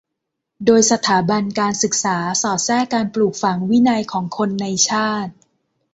โดยสถาบันการศึกษาสอดแทรกการปลูกฝังวินัยของคนในชาติ